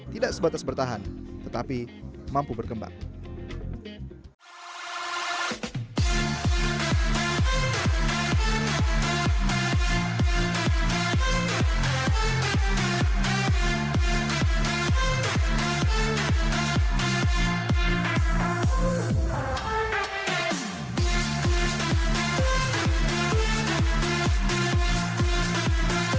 tidak sebatas bertahan tetapi mampu berkembang